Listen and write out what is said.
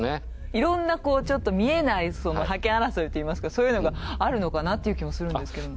いろんなちょっと見えない覇権争いっていいますかそういうのがあるのかなっていう気もするんですけども。